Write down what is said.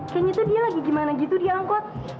kayaknya tuh dia lagi gimana gitu diangkot